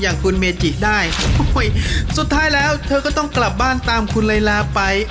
อย่างคุณเมจิได้สุดท้ายแล้วเธอก็ต้องกลับบ้านตามคุณไลลาไป